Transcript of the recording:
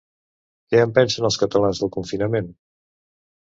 Què en pensen els catalans del confinament?